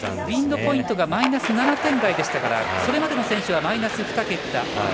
ウインドポイントがマイナス７点台でしたからそれまでの選手はマイナス２桁。